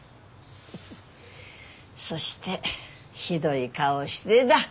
そしてひどい顔をしてだ。